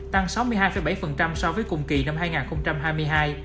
tăng sáu mươi hai bảy so với cùng kỳ năm hai nghìn hai mươi hai